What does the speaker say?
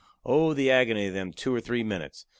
Oh, the agony of them two or three minutes!